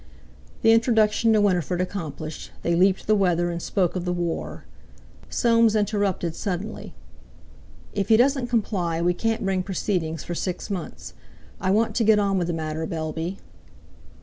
The introduction to Winifred accomplished, they leaped the weather and spoke of the war. Soames interrupted suddenly: "If he doesn't comply we can't bring proceedings for six months. I want to get on with the matter, Bellby."